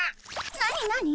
何何？